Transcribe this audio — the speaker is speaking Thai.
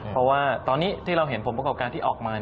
เพราะว่าตอนนี้ที่เราเห็นผลประกอบการที่ออกมา